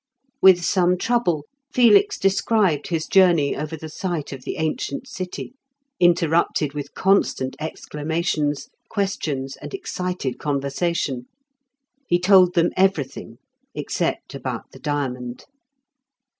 With some trouble Felix described his journey over the site of the ancient city, interrupted with constant exclamations, questions, and excited conversation. He told them everything, except about the diamond.